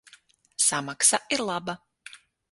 Samaksa ir laba.